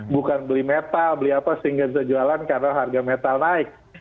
bukan beli metal beli apa sehingga bisa jualan karena harga metal naik